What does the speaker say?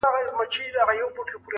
o په دار دي کړم مګر خاموش دي نکړم,